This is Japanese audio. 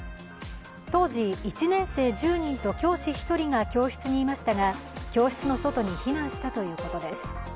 当時１年生１０人と教師１人が教室にいましたが教室の外に避難したということです。